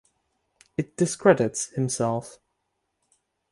It discredits himself.